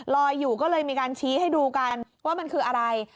ลอยอยู่ก็เลยมีการชี้ให้ดูกันว่ามันคืออะไร